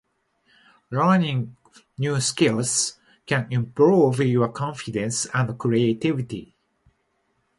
Learning new skills can improve your confidence and creativity.